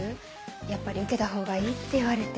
やっぱり受けたほうがいいって言われて。